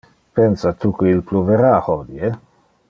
Pensa tu que il pluvera hodie?